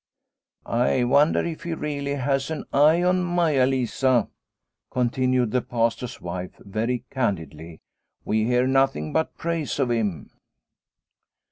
" I wonder if he really has an eye on Maia Lisa," continued the Past or 's wife very candidly. " We hear nothing but praise of him."